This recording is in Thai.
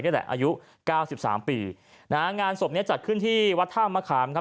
นี่แหละอายุเก้าสิบสามปีนะฮะงานศพเนี้ยจัดขึ้นที่วัดท่ามะขามครับ